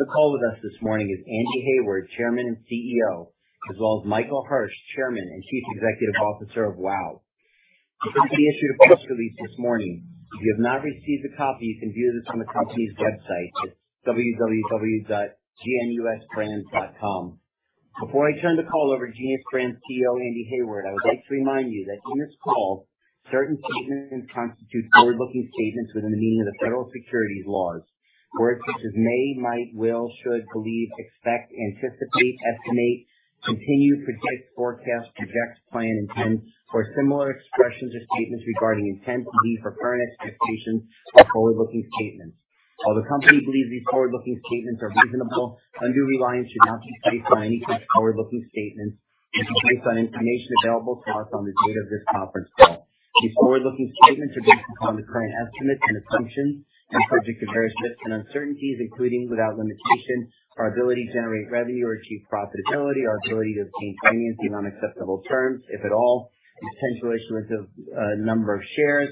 On the call with us this morning is Andy Heyward, Chairman and CEO, as well as Michael Hirsh, Chairman and Chief Executive Officer of WOW. The company issued a press release this morning. If you have not received a copy, you can view this on the company's website. It's www.geniusbrands.com. Before I turn the call over to Genius Brands CEO, Andy Heyward, I would like to remind you that in this call, certain statements may constitute forward-looking statements within the meaning of the Federal securities laws. Words such as may, might, will, should, believe, expect, anticipate, estimate, continue, predict, forecast, project, plan, intend or similar expressions or statements regarding intent, believe or current expectations are forward-looking statements. While the company believes these forward-looking statements are reasonable, undue reliance should not be placed on any such forward-looking statements, which are based on information available to us on the date of this conference call. These forward-looking statements are based upon the current estimates and assumptions and subject to various risks and uncertainties, including without limitation, our ability to generate revenue or achieve profitability, our ability to obtain financing on acceptable terms, if at all, the potential issuance of a number of shares,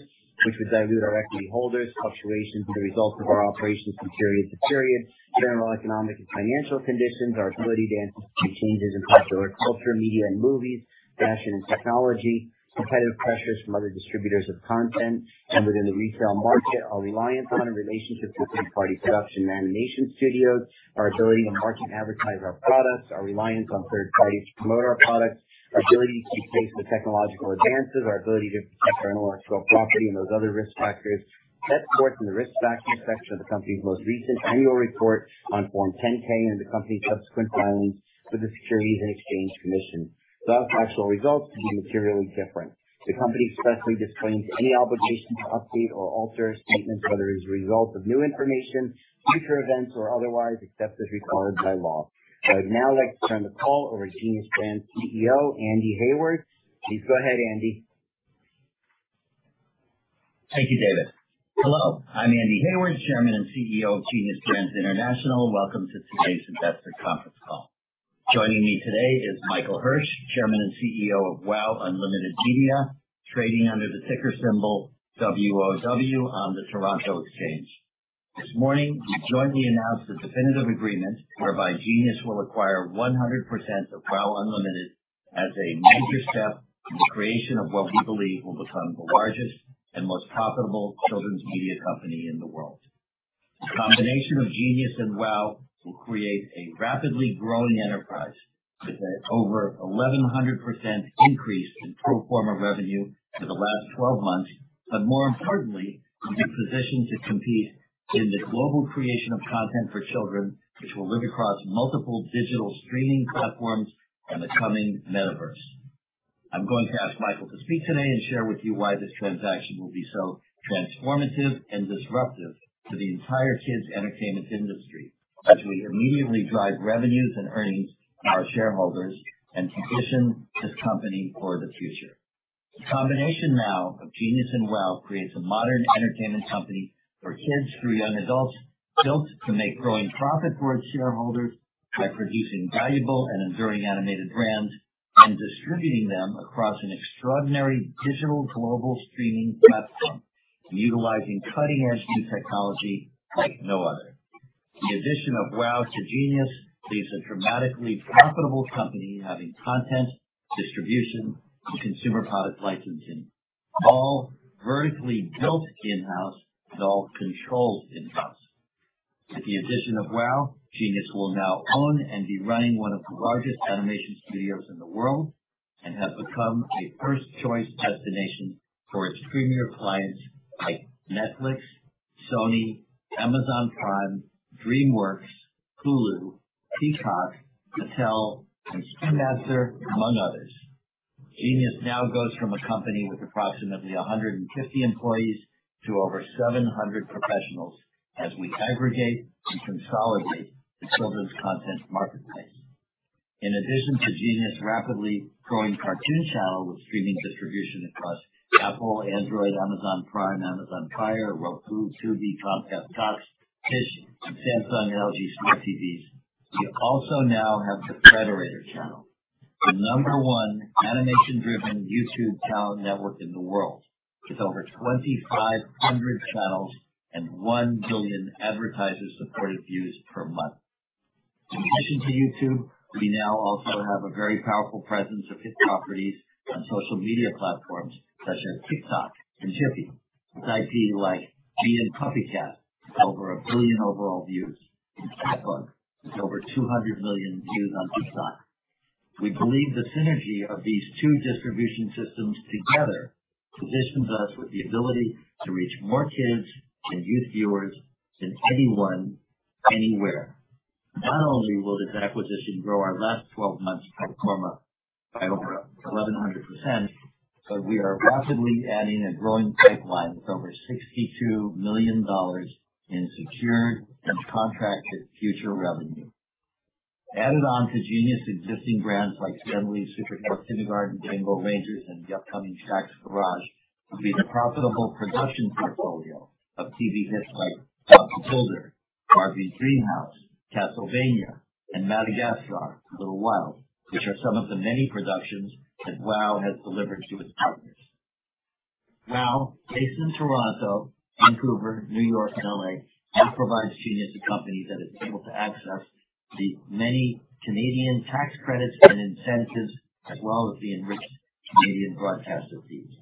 which would dilute our equity holders, fluctuations in the results of our operations from period to period, general economic and financial conditions, our ability to anticipate changes in popular culture, media and movies, fashion and technology, competitive pressures from other distributors of content and within the retail market, our reliance on and relationships with third party production and animation studios, our ability to market and advertise our products. Our reliance on third parties to promote our products, our ability to keep pace with technological advances, our ability to protect our intellectual property and those other risk factors set forth in the Risk Factors section of the company's most recent annual report on Form 10-K and the company's subsequent filings with the Securities and Exchange Commission. Thus, actual results may be materially different. The company expressly disclaims any obligation to update or alter statements, whether as a result of new information, future events or otherwise, except as required by law. I would now like to turn the call over to Genius Brands CEO, Andy Heyward. Please go ahead, Andy. Thank you, David. Hello, I'm Andy Heyward, Chairman and CEO of Genius Brands International. Welcome to today's investor conference call. Joining me today is Michael Hirsh, Chairman and CEO of WOW! Unlimited Media, trading under the ticker symbol WOW on the Toronto Stock Exchange. This morning, we jointly announced a definitive agreement whereby Genius will acquire 100% of WOW! Unlimited as a major step in the creation of what we believe will become the largest and most profitable children's media company in the world. The combination of Genius and WOW will create a rapidly growing enterprise with an over 1,100% increase in pro forma revenue for the last 12 months. More importantly, it will be positioned to compete in the global creation of content for children, which will live across multiple digital streaming platforms and the coming metaverse. I'm going to ask Michael Hirsh to speak today and share with you why this transaction will be so transformative and disruptive to the entire kids entertainment industry as we immediately drive revenues and earnings for our shareholders and position this company for the future. The combination now of Genius and WOW creates a modern entertainment company for kids through young adults, built to make growing profit for its shareholders by producing valuable and enduring animated brands and distributing them across an extraordinary digital global streaming platform, utilizing cutting-edge new technology like no other. The addition of WOW to Genius leaves a dramatically profitable company having content, distribution and consumer product licensing, all vertically built in-house and all controlled in-house. With the addition of WOW, Genius will now own and be running one of the largest animation studios in the world and have become a first choice destination for its premier clients like Netflix, Sony, Amazon Prime, DreamWorks, Hulu, Peacock, Mattel, and Spin Master, among others. Genius now goes from a company with approximately 150 employees to over 700 professionals as we aggregate and consolidate the children's content marketplace. In addition to Genius' rapidly growing cartoon channel with streaming distribution across Apple, Android, Amazon Prime, Amazon Fire, Roku, Tubi, Xfinity Kids, Samsung and LG smart TVs, we also now have the Frederator Channel, the number one animation driven YouTube channel network in the world, with over 2,500 channels and 1 billion advertiser supported views per month. In addition to YouTube, we now also have a very powerful presence of kids properties on social media platforms such as TikTok and GIPHY, with IP like Bee and PuppyCat with over one billion overall views and Catbug with over 200 million views on TikTok. We believe the synergy of these two distribution systems together positions us with the ability to reach more kids and youth viewers than anyone, anywhere. Not only will this acquisition grow our last twelve months pro forma by over 1,100%, but we are rapidly adding a growing pipeline with over $62 million in secured and contracted future revenue. Added on to Genius' existing brands like Stan Lee, Super Why!, Kindergarten, Rainbow Rangers, and the upcoming Shaq's Garage will be the profitable production portfolio of TV hits like Bob the Builder, Barbie Dreamhouse, Castlevania, and Madagascar: A Little Wild, which are some of the many productions that WOW has delivered to its partners. WOW, based in Toronto, Vancouver, New York, and L.A., now provides Genius a company that is able to access the many Canadian tax credits and incentives as well as the enriched Canadian broadcaster fees.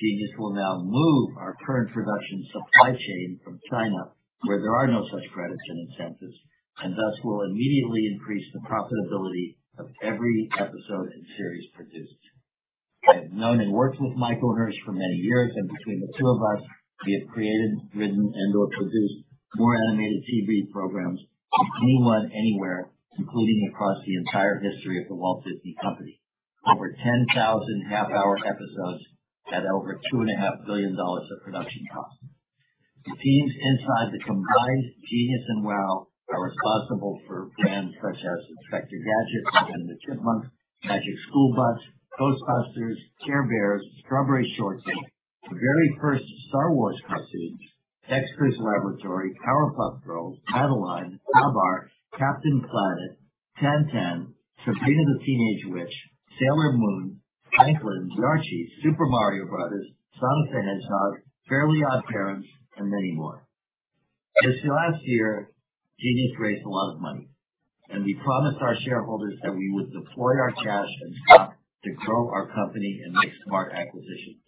Genius will now move our current production supply chain from China, where there are no such credits and incentives, and thus will immediately increase the profitability of every episode and series produced. I've known and worked with Michael Hirsh for many years, and between the two of us, we have created, written, and/or produced more animated TV programs than anyone, anywhere, including across the entire history of The Walt Disney Company. Over 10,000 half-hour episodes at over $2.5 billion of production costs. The teams inside the combined Genius and WOW are responsible for brands such as Inspector Gadget, Alvin and the Chipmunks, The Magic School Bus, Ghostbusters, Care Bears, Strawberry Shortcake, the very first Star Wars costumes, Dexter's Laboratory, The Powerpuff Girls, Felix the Cat, Avatar, Captain Planet and the Planeteers, Tintin, Sabrina the Teenage Witch, Sailor Moon, Franklin, Archie, Super Mario Brothers, Sonic the Hedgehog, The Fairly OddParents, and many more. This last year, Genius raised a lot of money, and we promised our shareholders that we would deploy our cash and stock to grow our company and make smart acquisitions.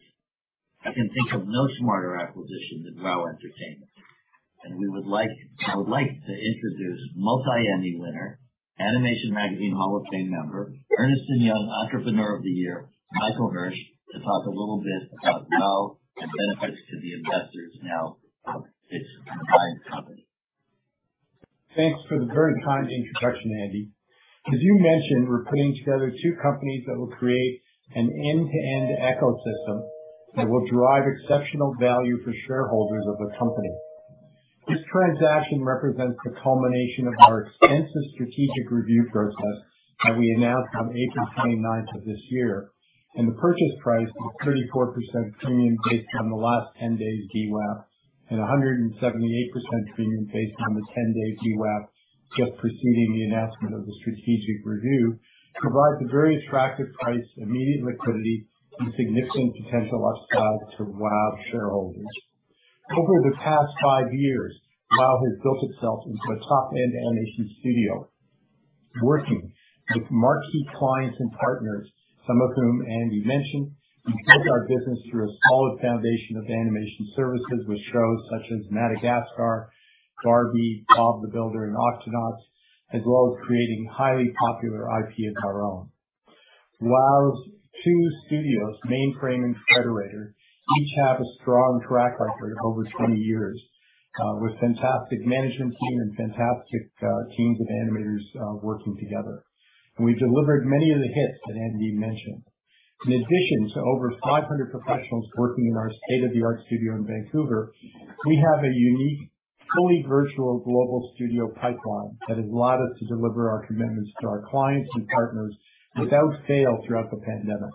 I can think of no smarter acquisition than WOW! Unlimited Media. I would like to introduce multi-Emmy winner, Animation Magazine Hall of Fame member, Ernst & Young Entrepreneur of the Year, Michael Hirsh, to talk a little bit about WOW and benefits to the investors now of its combined company. Thanks for the very kind introduction, Andy. As you mentioned, we're putting together two companies that will create an end-to-end ecosystem that will drive exceptional value for shareholders of the company. This transaction represents the culmination of our extensive strategic review process that we announced on April 29th of this year. The purchase price is 34% premium based on the last 10 days VWAP and a 178% premium based on the 10 days VWAP just preceding the announcement of the strategic review, provides a very attractive price, immediate liquidity, and significant potential upside to WOW shareholders. Over the past five years, WOW has built itself into a top-end animation studio, working with marquee clients and partners, some of whom Andy mentioned. We built our business through a solid foundation of animation services with shows such as Madagascar, Barbie, Bob the Builder, and Octonauts, as well as creating highly popular IP of our own. WOW's two studios, Mainframe and Frederator, each have a strong track record of over 20 years with fantastic management team and fantastic teams of animators working together. We've delivered many of the hits that Andy mentioned. In addition to over 500 professionals working in our state-of-the-art studio in Vancouver, we have a unique, fully virtual global studio pipeline that has allowed us to deliver our commitments to our clients and partners without fail throughout the pandemic.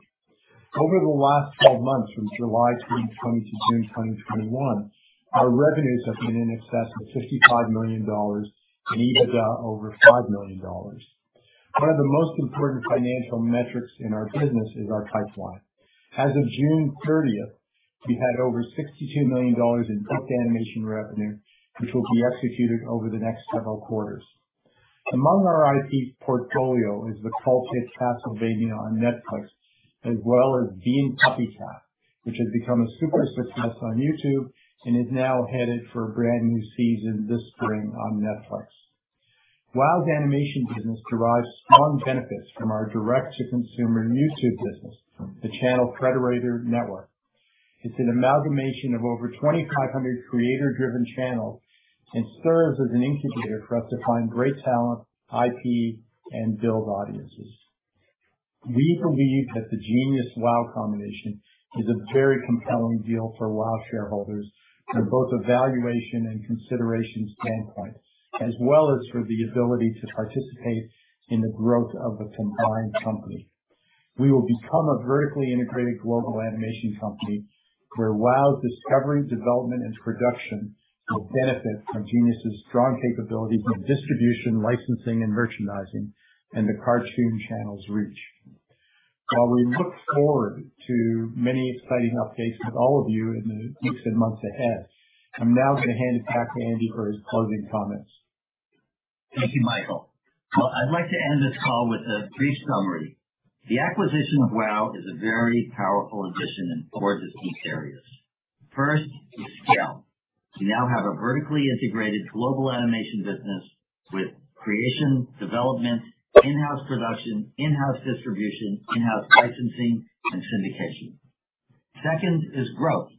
Over the last 12 months, from July 2020 to June 2021, our revenues have been in excess of $55 million and EBITDA over $5 million. One of the most important financial metrics in our business is our pipeline. As of June 30, we've had over $62 million in booked animation revenue, which will be executed over the next several quarters. Among our IP portfolio is the cult hit, Castlevania on Netflix, as well as Bee and PuppyCat, which has become a super success on YouTube and is now headed for a brand new season this spring on Netflix. WOW's animation business derives strong benefits from our direct to consumer YouTube business, the Channel Frederator Network. It's an amalgamation of over 2,500 creator driven channels and serves as an incubator for us to find great talent, IP, and build audiences. We believe that the Genius WOW combination is a very compelling deal for WOW shareholders from both a valuation and consideration standpoint, as well as for the ability to participate in the growth of the combined company. We will become a vertically integrated global animation company where WOW's discovery, development, and production will benefit from Genius's strong capabilities in distribution, licensing, and merchandising, and the Kartoon Channel's reach. While we look forward to many exciting updates with all of you in the weeks and months ahead, I'm now gonna hand it back to Andy for his closing comments. Thank you, Michael. Well, I'd like to end this call with a brief summary. The acquisition of WOW is a very powerful addition in four distinct areas. First is scale. We now have a vertically integrated global animation business with creation, development, in-house production, in-house distribution, in-house licensing, and syndication. Second is growth.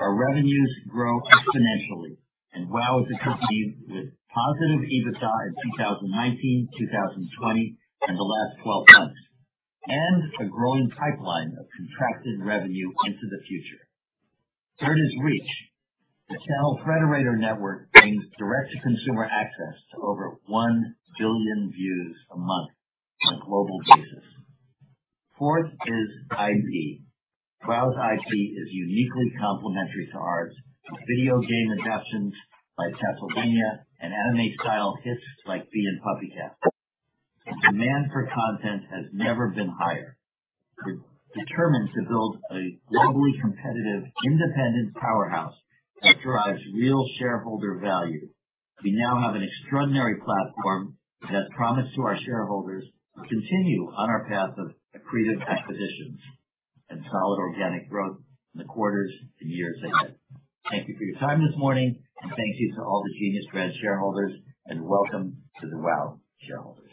Our revenues grow exponentially, and WOW is a company with positive EBITDA in 2019, 2020, and the last 12 months, and a growing pipeline of contracted revenue into the future. Third is reach. The Channel Frederator Network brings direct to consumer access to over one billion views a month on a global basis. Fourth is IP. WOW's IP is uniquely complementary to ours, video game adaptations like Castlevania and anime style hits like Bee and PuppyCat. The demand for content has never been higher. We're determined to build a globally competitive independent powerhouse that drives real shareholder value. We now have an extraordinary platform and a promise to our shareholders to continue on our path of accretive acquisitions and solid organic growth in the quarters and years ahead. Thank you for your time this morning, and thank you to all the Genius Brands shareholders, and welcome to the WOW shareholders.